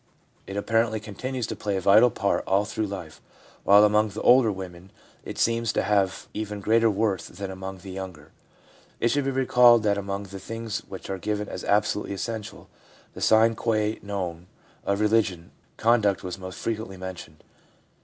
It apparently continues to play a vital part all through life, while among the older women it seems to have even greater worth than among the younger. It should be recalled that among the things which are given as abso lutely essential, the sine qua non of religion, conduct was most frequently mentioned.